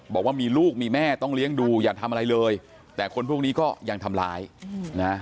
บอกว่ามีลูกมีแม่ต้องเลี้ยงดูอย่าทำอะไรเลยแต่คนพวกนี้ก็ยังทำร้ายนะ